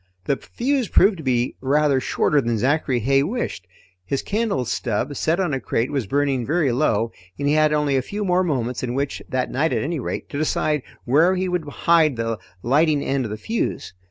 The fuse proved to be rather shorter than Zachary Heigh wished. His candle stub, set on a crate, was burning very low and he had only a few more moments in which that night at any rate to decide where he would hide the lighting end of the fuse.